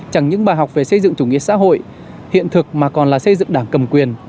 chẳng những bài học về xây dựng chủ nghĩa xã hội hiện thực mà còn là xây dựng đảng cầm quyền